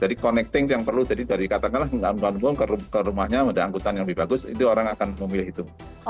jadi connecting yang perlu jadi dari katakanlah ke rumahnya ada angkutan yang lebih bagus itu orang akan memilih itu